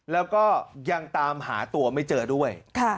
แล้วก็ยังตามหาตัวไม่เจอด้วย